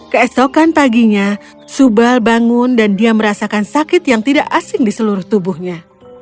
keesokan paginya subal bangun dan dia merasakan sakit yang tidak asing di seluruh tubuhnya